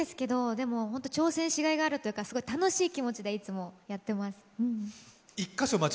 難しいんですけど、挑戦しがいがあるというかすごい楽しい気持ちでいつもやっています。